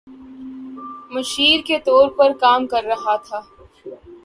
مشیر کے طور پر کام کر رہا تھا